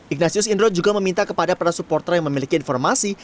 ignatius indro juga meminta kepada para supporter yang memiliki informasi